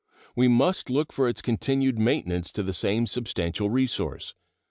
We must look for its continued maintenance to the same substantial resource.